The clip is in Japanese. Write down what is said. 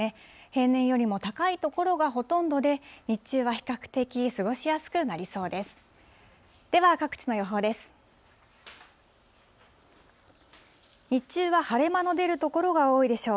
平年よりも高い所がほとんどで、日中は比較的過ごしやすくなりそうです。